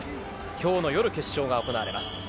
今日の夜、決勝が行われます。